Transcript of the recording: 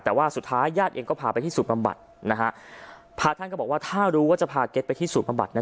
แต่ว่าสุดท้ายญาติเองก็พาไปที่ศูนย์บำบัดนะฮะพาท่านก็บอกว่าถ้ารู้ว่าจะพาเก็ตไปที่ศูนย์บำบัดนั้น